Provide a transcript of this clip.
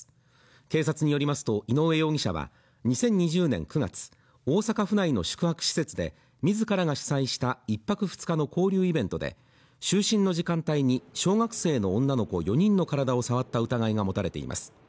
警察によりますと井上容疑者は２０２０年９月大阪府内の宿泊施設で自らが主催した１泊２日の交流イベントで就寝の時間帯に小学生の女の子４人の体を触った疑いが持たれています